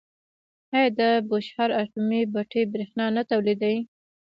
آیا د بوشهر اټومي بټۍ بریښنا نه تولیدوي؟